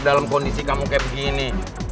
dalam kondisi kamu kayak begini